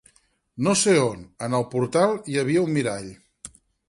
No sé on, en el portal, hi havia un mirall.